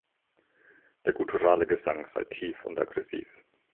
Der gutturale Gesang sei tief und aggressiv.